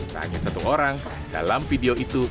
tanya satu orang dalam video itu